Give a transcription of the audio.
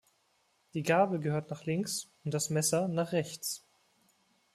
Die Gabel gehört nach links und das Messer nach rechts.